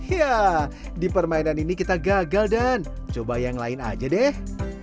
ya di permainan ini kita gagal dan coba yang lain aja deh